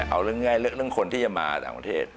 เอาเรื่องง่ายเรื่องคนที่จะมาต่างประเทศ